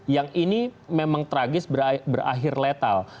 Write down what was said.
yang ini memang tragis berakhir letal